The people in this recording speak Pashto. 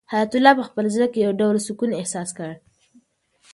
حیات الله په خپل زړه کې یو ډول سکون احساس کړ.